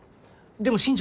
でも新条